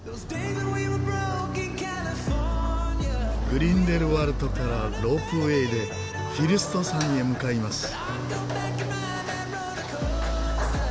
グリンデルワルトからロープウェーでフィルスト山へ向かいます。